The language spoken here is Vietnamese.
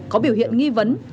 có biểu hiện nghi vấn